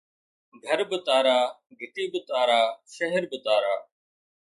گهر به تارا، گهٽي به تارا، شهر به تارا